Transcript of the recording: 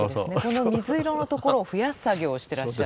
この水色の所を増やす作業をしてらっしゃる。